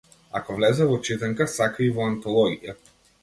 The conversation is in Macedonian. Ако влезе во читанка, сака и во антологија.